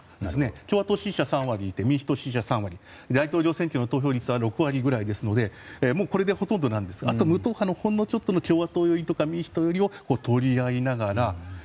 共和党支持者がいて共和党支持者がいて大統領選挙の投票率は６割くらいですのでもうこれでほとんどなんですがあと無党派のほんのちょっとの共和党寄り、民主党寄りを取りながら。